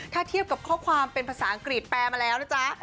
ถ้าเทียบกับข้อความเป็นภาษาอังกฤษแปลมาแล้วนะจ๊ะ